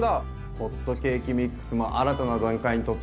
ホットケーキミックスも新たな段階に突入ですね。